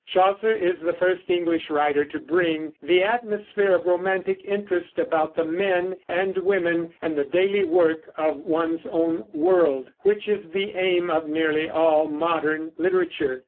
Chaucer is the first English writer to bring the atmosphere of romantic interest about the men and women and the daily work of one's own world, which is the aim of nearly all modern literature.